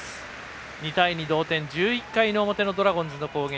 ２対２、同点１１回の表のドラゴンズの攻撃。